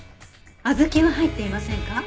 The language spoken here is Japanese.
小豆は入っていませんか？